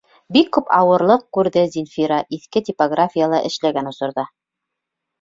Бик күп ауырлыҡ күрҙе Зинфира иҫке типографияла эшләгән осорҙа.